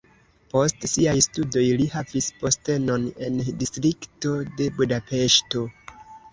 Post siaj studoj li havis postenon en distrikto de Budapeŝto.